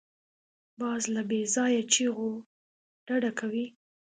باز له بېځایه چیغو ډډه کوي